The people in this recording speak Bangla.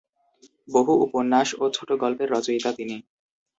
বহু উপন্যাস ও ছোটগল্পের রচয়িতা তিনি।